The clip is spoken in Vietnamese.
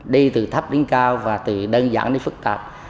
đi từ thấp đến cao và từ đơn giản đến phức tạp